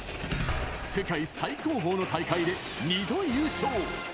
世界最高峰の大会で２度優勝。